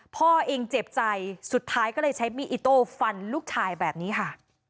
พ่อเองเจ็บใจสุดท้ายก็เลยใช้มีดอิโต้ฟันลูกชายแบบนี้ค่ะ